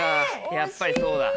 やっぱりそうだ。